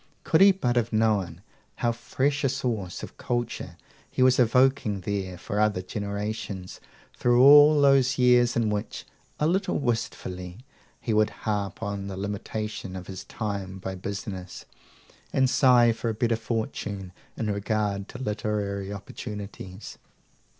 Could he but have known how fresh a source of culture he was evoking there for other generations, through all those years in which, a little wistfully, he would harp on the limitation of his time by business, and sigh for a better fortune in regard to literary opportunities!